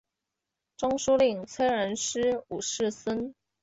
中书令崔仁师五世孙。